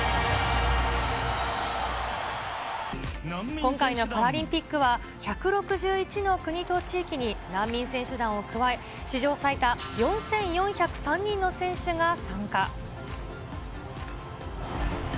今回のパラリンピックは、１６１の国と地域に難民選手団を加え、史上最多４４０３人の選手が参加。